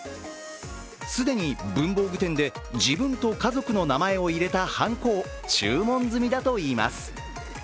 既に文房具店で自分と家族の名前を入れたはんこを注文済みだといいます。